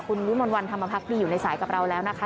คุณวิมลวันธรรมพักดีอยู่ในสายกับเราแล้วนะคะ